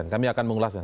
kami akan mengulasnya